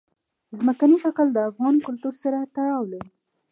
ځمکنی شکل د افغان کلتور سره تړاو لري.